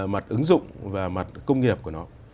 mặt ứng dụng và mặt công nghiệp của nó